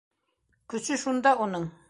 Көсө шунда уның!